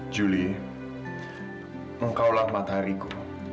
juli engkaulah matahariku